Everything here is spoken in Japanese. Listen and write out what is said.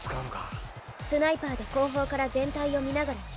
スナイパーで後方から全体を見ながら指揮する。